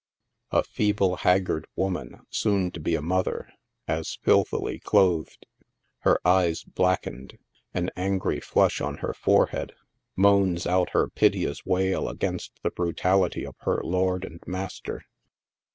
A feeble, haggard woman, soon to be a mother, as filthily clothed, her eyes blackened, an angry flush on her forehead, moans oat her piteous wail against the brutality of her lord and master.